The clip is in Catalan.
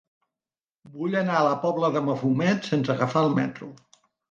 Vull anar a la Pobla de Mafumet sense agafar el metro.